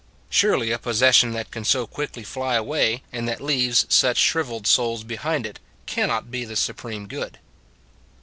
Surely a possession that can so quickly fly away, and that leaves such shriveled souls behind it, cannot be the supreme good.